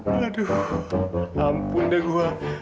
aduh ampun deh gua